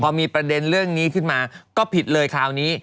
พอมีประเด็นเรื่องนี้ขึ้นมาก็ผิดเลยคราวนี้